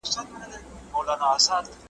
سرغوڅونکې اله یې پرې راایله کړه